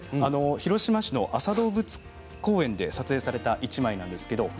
広島市の安佐動物公園で撮影された１枚です。